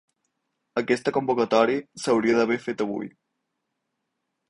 Aquesta convocatòria s’hauria d’haver fet avui.